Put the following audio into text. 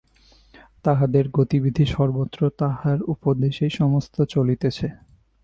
তাহার গতিবিধি সর্বত্র, তাহার উপদেশেই সমস্ত চলিতেছে।